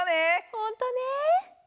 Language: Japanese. ほんとね。